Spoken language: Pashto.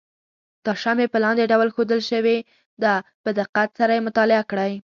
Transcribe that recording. دا شمې په لاندې ډول ښودل شوې ده په دقت سره یې مطالعه کړئ.